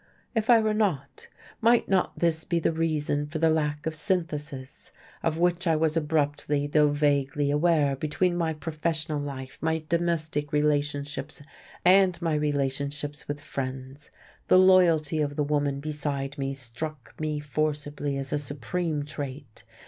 If I were not, might not this be the reason for the lack of synthesis of which I was abruptly though vaguely aware between my professional life, my domestic relationships, and my relationships with friends. The loyalty of the woman beside me struck me forcibly as a supreme trait.